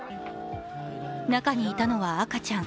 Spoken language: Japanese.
中にいたのは赤ちゃん。